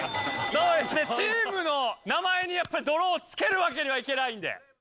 そうですねチームの名前にやっぱり泥を付けるわけにはいけないので。